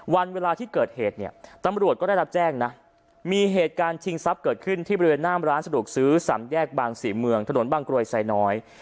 วันเวลาที่เกิดเหตุเนี่ยตำรวจก็ได้รับแจ้งนะมีเหตุการณ์ชิงทรัพย์เกิดขึ้นที่บริเวณหน้ามร้านสะดวกซื้อสามแยกบางศรีเมืองถนนบางกรวยไซน้อย